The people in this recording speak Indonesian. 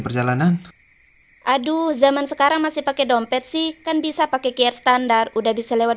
perjalanan aduh zaman sekarang masih pakai dompet sih kan bisa pakai care standar udah bisa lewat